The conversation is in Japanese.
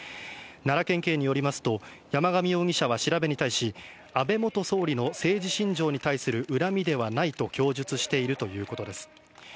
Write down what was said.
奈良県警によりますと、山上容疑者は調べに対し、安倍元総理の政治信条に対する恨みではないと供述しているということです。